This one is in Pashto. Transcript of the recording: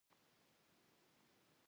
پیاز د چای سره نه خوړل کېږي